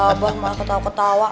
ih abah mah ketawa ketawa